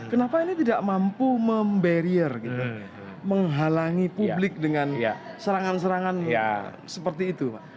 kenapa ini tidak mampu memberi menghalangi publik dengan serangan serangan seperti itu pak